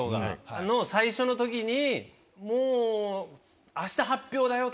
最初の時に「もう明日発表だよ」。